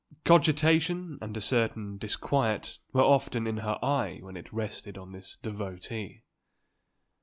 Cogitation and a certain disquiet were often in her eye when it rested on this devotee.